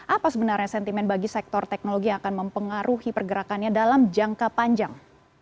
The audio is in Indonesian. apa sebenarnya sentimen bagi sektor teknologi yang akan mempengaruhi pergerakannya dalam jangka panjang